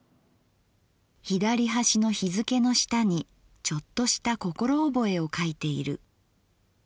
「左端の日附の下にちょっとした心おぼえを書いている。